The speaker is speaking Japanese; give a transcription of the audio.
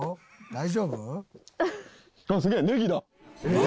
大丈夫？」